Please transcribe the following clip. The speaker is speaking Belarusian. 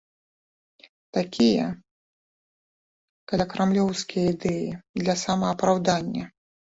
Такія калякрамлёўскія ідэі для самаапраўдання.